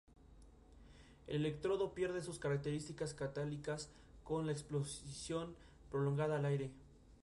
Transitó estudios de televisión y radios, y fue columnista en diversos diarios.